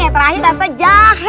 yang terakhir rasa jahe